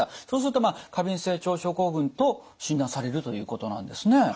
そうするとまあ過敏性腸症候群と診断されるということなんですね。